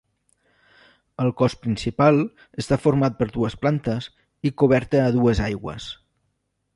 El cos principal està format per dues plantes i coberta a dues aigües.